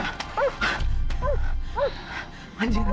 bagaimana dengan kamu